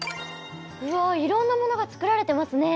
うわいろんなものが作られてますね。